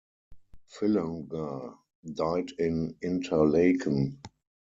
Fillunger died in Interlaken.